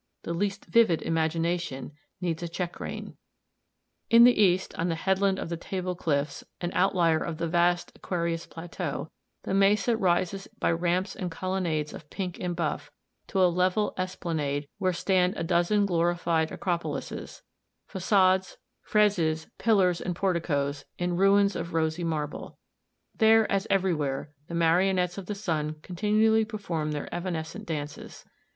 The least vivid imagination needs a checkrein. [Illustration: This map in a higher resolution] [Illustration: The Cathedral, Bryce Canyon] In the east, on a headland of the Table Cliffs, an outlier of the vast Aquarius Plateau, the mesa rises by ramps and colonnades of pink and buff to a level esplanade where stand a dozen glorified Acropolises, façades, friezes, pillars and porticoes, in ruins of rosy marble. There, as everywhere, the marionettes of the sun continually perform their evanescent dances.